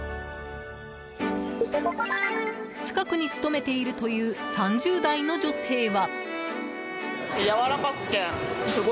近くに勤めているという３０代の女性は。